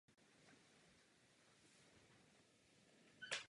Orchestr patří mezi standardní velké symfonické orchestry.